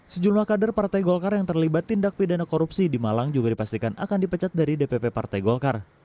sejumlah kader partai golkar yang terlibat tindak pidana korupsi di malang juga dipastikan akan dipecat dari dpp partai golkar